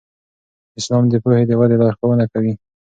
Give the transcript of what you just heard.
اسلام د پوهې د ودې لارښوونه کوي.